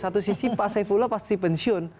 satu sisi pak saifullah pasti pensiun